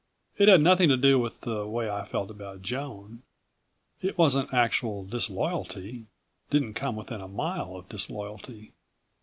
It had nothing to do with the way I felt about Joan. It wasn't actual disloyalty ... didn't come within a mile of disloyalty.